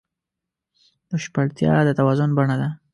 بشپړتیا د توازن بڼه ده.